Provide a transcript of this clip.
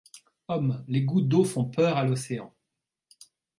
Homme, les gouttes d’eau font peur à l’océan ;